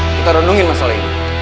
kita renungin masalah ini